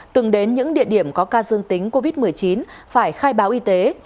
từng đến những địa điểm có ca dương tính covid một mươi chín phải khai báo y tế